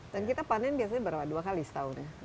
dan kita panen biasanya berapa dua kali setahun